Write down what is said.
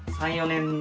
３４年。